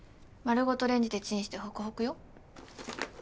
丸ごとレンジでチンしてほくほくよ。